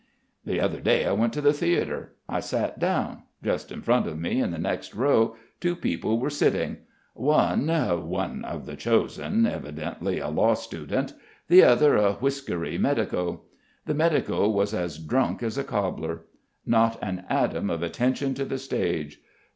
'" "The other day I went to the theatre. I sat down. Just in front of me in the next row two people were sitting: one, 'one of the chosen,' evidently a law student, the other a whiskery medico. The medico was as drunk as a cobbler. Not an atom of attention to the stage.